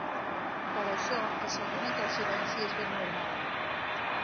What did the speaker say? Per això, asseguren que el silenci és ben normal.